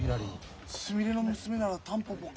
すみれの娘ならたんぽぽか？